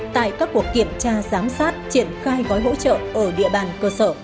tại các cuộc kiểm tra giám sát triển khai gói hỗ trợ ở địa bàn cơ sở